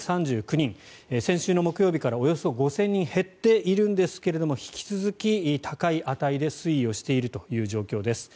先週の木曜日からおよそ５０００人減っているんですが引き続き高い値で推移をしているという状況です。